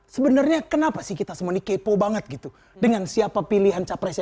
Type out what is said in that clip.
sebenarnya kenapa sih kita semuanya kepo banget gitu dengan siapa pilihan capres